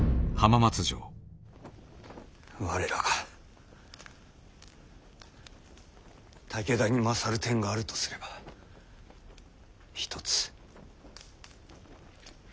我らが武田に勝る点があるとすれば一つ。